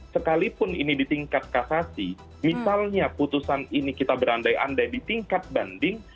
sekalipun ini di tingkat kasasi misalnya putusan ini kita berandai andai di tingkat banding